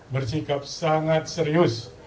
bersikap sangat serius